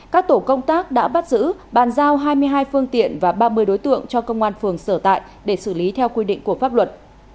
các tổ công tác đã bắt giữ bàn giao hai mươi hai phương tiện và ba mươi đối tượng cho công an phường sở tại để xử lý theo quy định của pháp luật